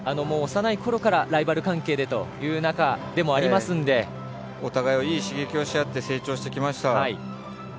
幼いころからライバル関係でもありますのでお互いにいい刺激をし合って成長してきました。